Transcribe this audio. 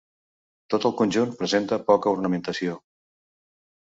Tot el conjunt presenta poca ornamentació.